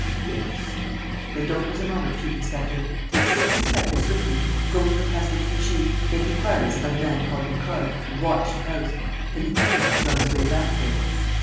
"Yes." "Then don't lose a moment, chief inspector. Take six inspectors with you. Go to the Place de Clichy. Make inquiries about a man called Nicole and watch the house. The Nicole man is on his way back there."